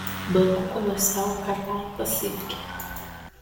Banco Comercial Cathay Pacific